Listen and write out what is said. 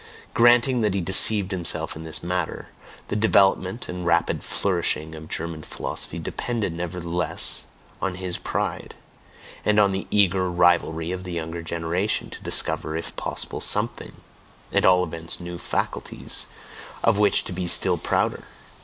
Granting that he deceived himself in this matter; the development and rapid flourishing of German philosophy depended nevertheless on his pride, and on the eager rivalry of the younger generation to discover if possible something at all events "new faculties" of which to be still prouder!